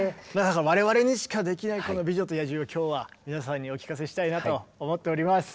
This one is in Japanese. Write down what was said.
我々にしかできないこの「美女と野獣」を今日は皆さんにお聴かせしたいなと思っております。